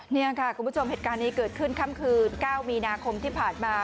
นี่ค่ะคุณผู้ชมเหตุการณ์นี้เกิดขึ้นค่ำคืน๙มีนาคมที่ผ่านมา